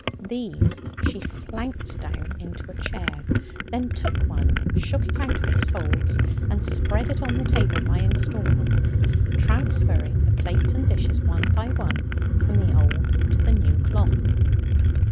These she flounced down into a chair; then took one, shook it out from its folds, and spread it on the table by instalments, transferring the plates and dishes one by one from the old to the new cloth.